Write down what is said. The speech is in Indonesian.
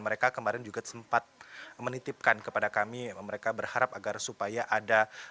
mereka kemarin juga sempat menitipkan kepada kami mereka berharap agar supaya ada